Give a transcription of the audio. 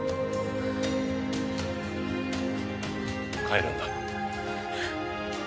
帰るんだ。